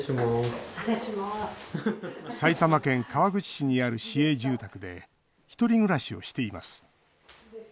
埼玉県川口市にある市営住宅で１人暮らしをしています。